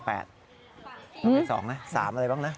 เอาไป๒นะ๓อะไรบ้างนะ